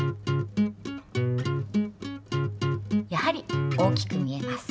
やはり大きく見えます。